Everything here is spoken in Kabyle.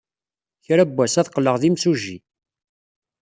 Kra n wass, ad qqleɣ d imsujji.